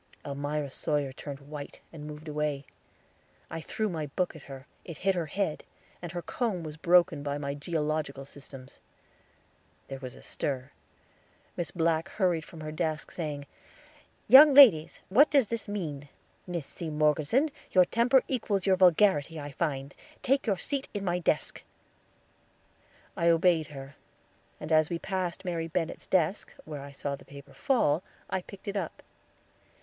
Elmira Sawyer turned white, and moved away. I threw my book at her; it hit her head, and her comb was broken by my geological systems. There was a stir; Miss Black hurried from her desk, saying, "Young ladies, what does this mean? Miss C. Morgeson, your temper equals your vulgarity, I find. Take your seat in my desk." I obeyed her, and as we passed Mary Bennett's desk, where I saw the paper fall, I picked it up.